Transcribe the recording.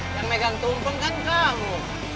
yang megang tumpeng kan kamu